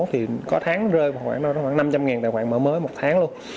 thì có tháng rơi vào khoảng năm trăm linh tài khoản mở mới một tháng luôn